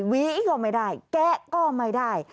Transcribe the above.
วีก็ไม่ได้แกะก็ไม่ได้